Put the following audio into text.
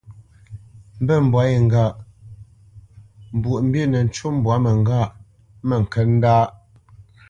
Mbə̂t mbwa ye ŋgâʼ : Mbwoʼmbǐ nə ncu mbwá mə ŋgâʼ mə ŋkə ndâ.